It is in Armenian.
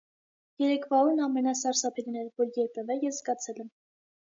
Երեկվա օրն ամենասարսափելին էր, որ երբևէ ես զգացել եմ։